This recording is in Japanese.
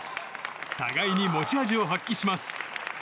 互いに持ち味を発揮します。